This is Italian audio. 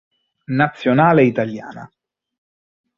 Nazionale italiana